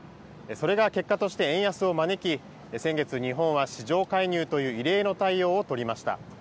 それが結果として円安を招き、先月、日本は市場介入という異例の対応を取りました。